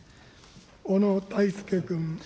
小野泰輔君。